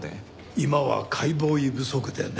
今は解剖医不足でね。